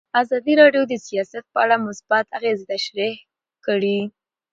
ازادي راډیو د سیاست په اړه مثبت اغېزې تشریح کړي.